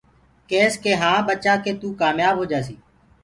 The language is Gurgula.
ڪيس ڪي هآنٚ ٻچآ ڪي توُ ڪآميآب هوجآسيٚ۔